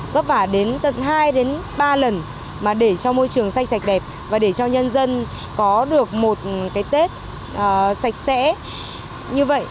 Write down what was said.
vất vả đến tận hai ba lần mà để cho môi trường xanh sạch đẹp và để cho nhân dân có được một cái tết sạch sẽ như vậy